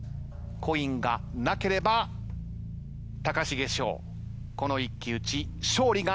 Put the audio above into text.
コインがなければ高重翔この一騎打ち勝利が決まります。